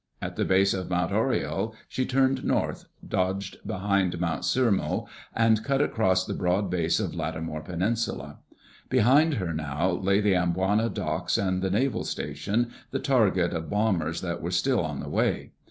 At the base of Mt. Horiel she turned north, dodged behind Mt. Sirimau and cut across the broad base of Latimore Peninsula. Behind her now lay the Amboina docks and naval station, the target of bombers that were still on the way.